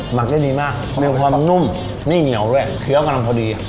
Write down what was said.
ักได้ดีมากมีความนุ่มไม่เหนียวด้วยเคี้ยวกำลังพอดี